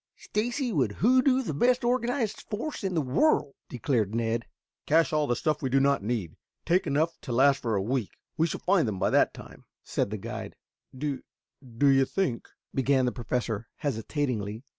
Stacy would hoodoo the best organized force in the world," declared Ned. "Cache all the stuff we do not need. Take enough to last for a week. We shall find them by that time," said the guide. "Do do you think " began the Professor hesitatingly.